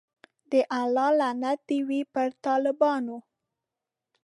د الله لعنت دی وی په ټالبانو